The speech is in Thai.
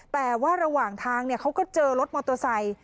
แต่ว่าระหว่างทางเขาก็เจอรถมอเตอร์ไซค์